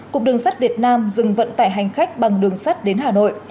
cục đường sắt việt nam dừng vận tải hành khách bằng đường sắt đến hà nội